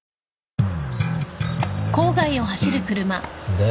で？